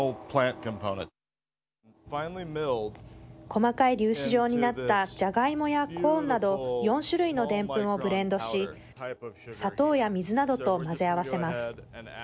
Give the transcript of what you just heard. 細かい粒子状になったじゃがいもやコーンなど４種類のでんぷんをブレンドし砂糖や水などと混ぜ合わせます。